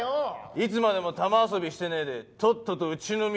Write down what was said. いつまでも球遊びしてねえでとっととうちの店を継げ！